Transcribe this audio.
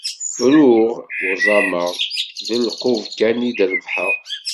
Ruɣ, uẓameɣ, d lqub kan i d-rebḥeɣ.